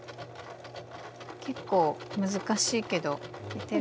結構難しいけどいけるかな。